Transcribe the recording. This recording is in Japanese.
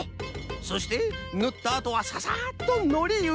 そしてぬったあとはササッとのりゆびをふく。